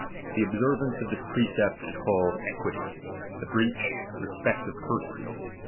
The observance of this precept is called equity ; the breach, respect of persons.